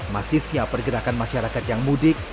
masifnya pergerakan masyarakat yang mudik